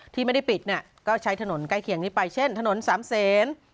ที่ไม่ได้ปิดก็ใช้ถนนใกล้เคียงนี้ไปเช่นถนนสามเศษ